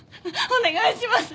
お願いします！